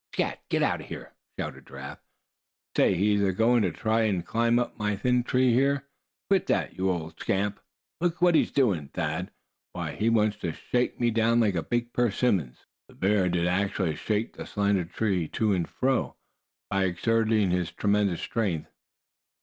"Scat! get out!" shouted Giraffe. "Say, he's a goin' to try and climb up my thin tree. Here, quit that, you old scamp! Look what he's doin', Thad! Wow! he wants to shake me down like a big persimmon." The bear did actually shake the slender tree to and fro, by exerting his tremendous strength.